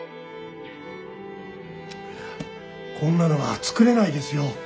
こんなのは作れないですよ。